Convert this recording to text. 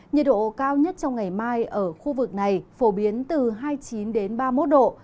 nhiệt độ cao nhất trong ngày mai ở khu vực này phổ biến từ hai mươi chín ba mươi một độ